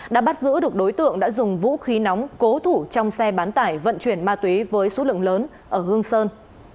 đã bắt giữ được đối tượng đã dùng vũ khí nóng cố thủ trong xe bán tải vận chuyển ma túy với số lượng lớn ở hương sơn